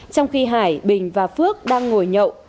trong khi hải bình và phước đang ngồi nhậu